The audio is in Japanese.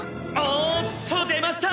おっと出ました！